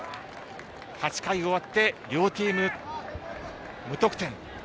８回終わって両チーム無得点。